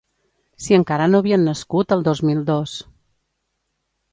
Si encara no havien nascut, el dos mil dos!